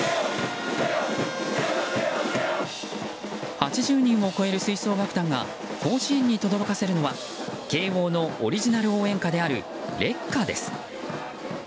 ８０人を超える吹奏楽団が甲子園にとどろかせるのは慶応のオリジナル応援歌である「烈火」です。